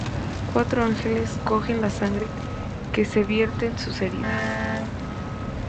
Cuatro ángeles cogen la sangre que vierten sus heridas.